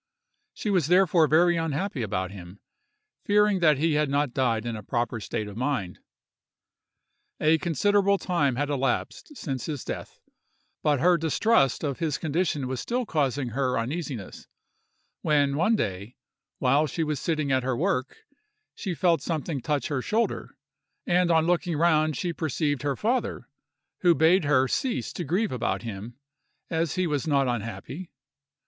She was therefore very unhappy about him, fearing that he had not died in a proper state of mind. A considerable time had elapsed since his death, but her distrust of his condition was still causing her uneasiness; when one day, while she was sitting at her work, she felt something touch her shoulder, and on looking round she perceived her father, who bade her cease to grieve about him, as he was not unhappy.